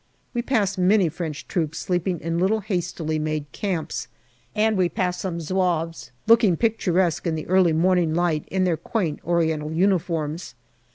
We pass many French troops sleeping in little hastily made camps, and we pass some Zouaves, looking picturesque in the early morning light in their quaint Oriental uniforms.